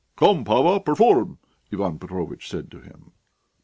"Come, Pava, perform!" Ivan Petrovitch said to him.